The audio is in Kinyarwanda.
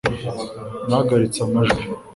nahagaritse amajwi